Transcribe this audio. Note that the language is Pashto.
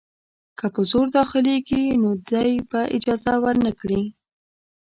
که په زور داخلیږي نو دی به اجازه ورنه کړي.